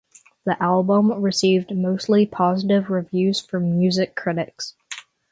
The album received mostly positive reviews from music critics.